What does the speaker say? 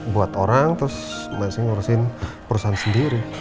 buat orang terus masih ngurusin perusahaan sendiri